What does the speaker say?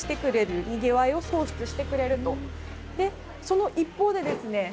でその一方でですね